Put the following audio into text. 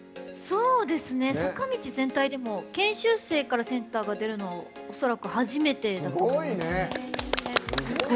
坂道全体でも研修生からセンターが出るのは恐らく初めてだと。